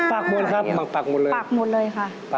ปากหมดครับปากหมดเลยค่ะ